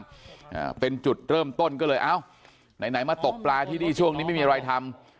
อ่าเป็นจุดเริ่มต้นก็เลยเอ้าไหนไหนมาตกปลาที่นี่ช่วงนี้ไม่มีอะไรทำ